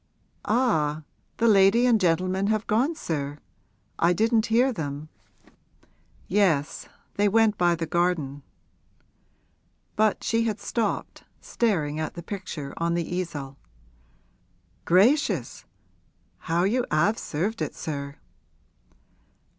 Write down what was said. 'Ah, the lady and gentleman have gone, sir? I didn't hear them.' 'Yes; they went by the garden.' But she had stopped, staring at the picture on the easel. 'Gracious, how you 'ave served it, sir!'